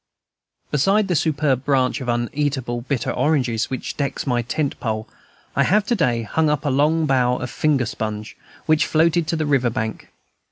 Beside the superb branch of uneatable bitter oranges which decks my tent pole, I have to day hung up a long bough of finger sponge, which floated to the river bank.